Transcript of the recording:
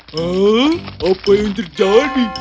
huh apa yang terjadi